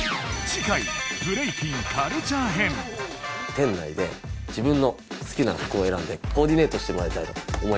店内で自分の好きなふくをえらんでコーディネートしてもらいたいと思います。